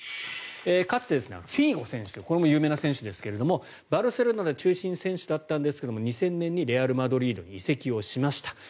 かつて、フィーゴ選手というこれも有名な選手ですがバルセロナで中心選手だったんですが２０００年にレアル・マドリードに移籍をしました。